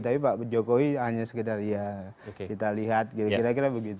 tapi pak jokowi hanya sekitar ya kita lihat kira kira begitu